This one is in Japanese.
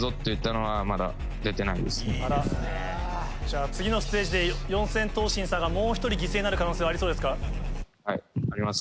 じゃあ次のステージで四千頭身さんがもう１人犠牲になる可能性はありそうですか？